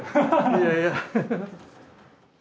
いやいや。